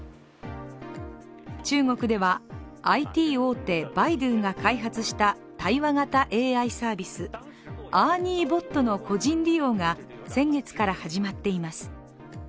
中国ではＩＴ大手・バイドゥが開発した対話型ＡＩサービス、ＥＲＮＩＥＢｏｔの個人利用が先月から始まっています。